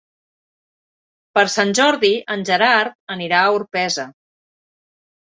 Per Sant Jordi en Gerard anirà a Orpesa.